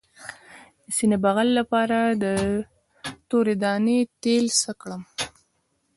د سینې بغل لپاره د تورې دانې تېل څه کړم؟